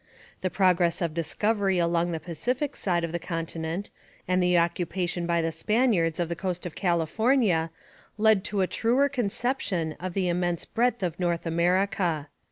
The progress of discovery along the Pacific side of the continent and the occupation by the Spaniards of the coast of California led to a truer conception of the immense breadth of North America.